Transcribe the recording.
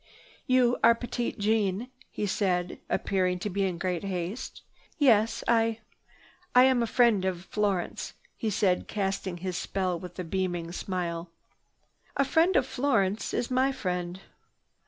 "You are Petite Jeanne," he said. He appeared to be in great haste. "Yes, I—" "I am a friend of Florence," he said, casting his spell with a beaming smile. "A friend of Florence is my friend."